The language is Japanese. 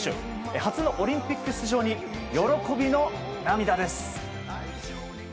初のオリンピック出場に喜びの涙です。